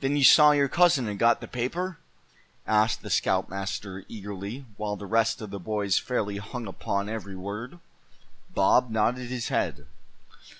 "Then you saw your cousin, and got the paper?" asked the scoutmaster, eagerly, while the rest of the boys fairly hung upon every word. Bob nodded his head.